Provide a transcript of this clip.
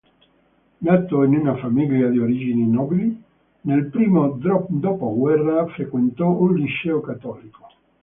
Nato in una famiglia di origini nobili, nel primo dopoguerra frequentò un liceo cattolico.